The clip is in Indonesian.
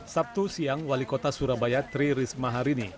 sabtu siang wali kota surabaya tri risma hari ini